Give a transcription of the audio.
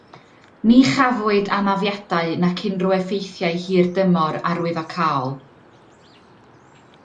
Ni chafwyd anafiadau nac unrhyw effeithiau hirdymor arwyddocaol